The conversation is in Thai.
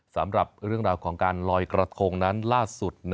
สำหรับเรื่องราวของการลอยกระทงนั้นล่าสุด